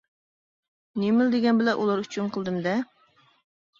نېمىلا دېگەن بىلەن ئۇلار ئۈچۈن قىلدىم-دە.